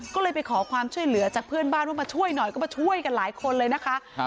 ก็เลยไปขอความช่วยเหลือจากเพื่อนบ้านว่ามาช่วยหน่อยก็มาช่วยกันหลายคนเลยนะคะ